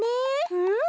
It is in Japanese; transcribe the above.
うん。